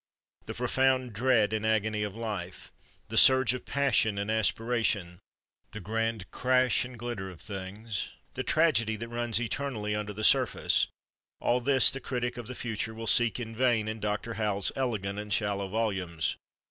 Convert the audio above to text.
The profound dread and agony of life, the surge of passion and aspiration, the grand crash and glitter of things, the tragedy that runs eternally under the surface—all this the critic of the future will seek in vain in Dr. Howells' elegant and shallow volumes.